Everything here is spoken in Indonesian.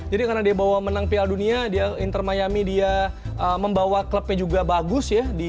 jadi karena dia menang piala dunia inter miami dia membawa klubnya juga bagus ya